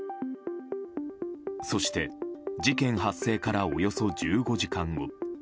そして事件発生からおよそ１５時間後。